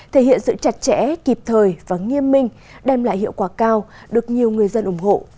thể hiện sự chặt chẽ kịp thời và nghiêm minh đem lại hiệu quả cao được nhiều người dân ủng hộ